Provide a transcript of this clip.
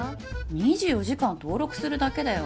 ２４時間登録するだけだよ。